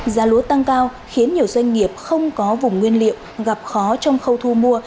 giá lúa tăng cao khiến nhiều doanh nghiệp không có vùng nguyên liệu gặp khó trong khâu thu mua